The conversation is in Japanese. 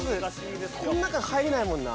この中に入れないもんな。